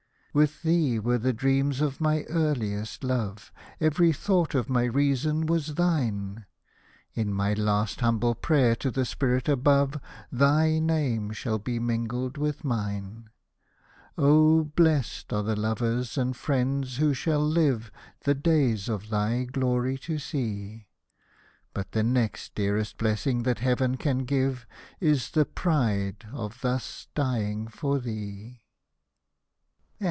' With thee were the dreams of my earliest love ; Every thought of my reason was thine ; In my last humble prayer to the Spirit above Thy name shall be mingled with mine. Oh ! blest are the lovers and friends who shall live The days of thy glory to see ; But the next dearest blessing that Heaven can give Is the pride of thus dying for thee.